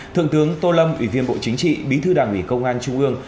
thượng tướng tô lâm ủy viên bộ chính trị bí thư đảng ủy công an trung ương